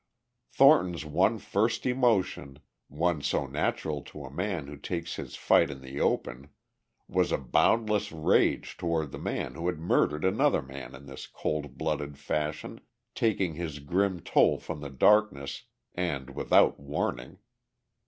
Thornton's one first emotion, one so natural to a man who takes his fight in the open, was a boundless rage toward the man who had murdered another man in this cold blooded fashion, taking his grim toll from the darkness and without warning.